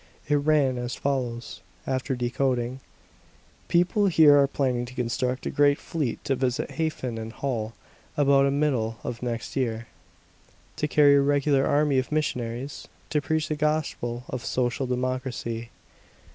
It ran as follows, after decoding: People here are planning to construct a great fleet to visit Hafen and Holl about the middle of next year. To carry a regular army of missionaries, to preach the gospel of social democracy.